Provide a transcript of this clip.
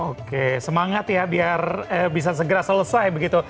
oke semangat ya biar bisa segera selesai begitu